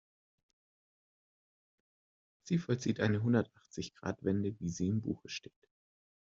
Sie vollzieht eine Hundertachzig-Grad-Wende, wie sie im Buche steht.